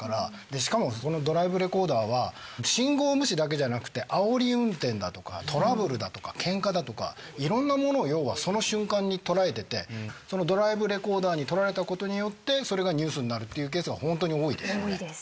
しかもそのドライブレコーダーは信号無視だけじゃなくてあおり運転だとかトラブルだとかケンカだとかいろんなものを要はその瞬間に捉えててそのドライブレコーダーに撮られたことによってそれがニュースになるっていうケースがホントに多いです。